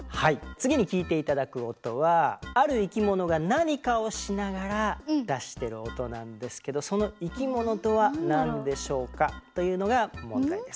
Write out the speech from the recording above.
次に聞いて頂く音はある生き物が何かをしながら出してる音なんですけどその生き物とは何でしょうか？というのが問題です。